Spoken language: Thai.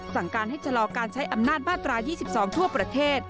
สั่งการให้ชะลอการใช้อำนาจมาตรา๒๒ทั่วประเทศ